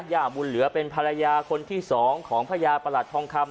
ย่าบุญเหลือเป็นภรรยาคนที่สองของพญาประหลัดทองคำ